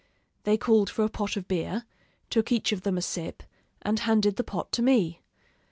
They called for a pot of beer; took each of them a sip, and handed the pot to me.